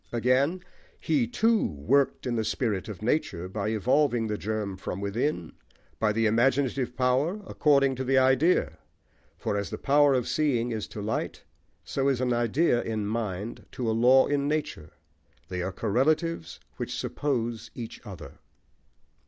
Again He, too, worked in the spirit of nature, by evolving the germ from within, by the imaginative power, according to the idea. For as the power of seeing is to light, so is an idea in mind to a law in nature. They are correlatives which suppose each other.